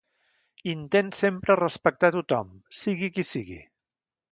Intent sempre respectar tothom, sigui qui sigui.